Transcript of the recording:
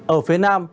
ở phía nam